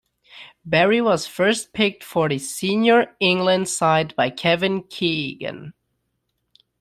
Barry was first picked for the senior England side by Kevin Keegan.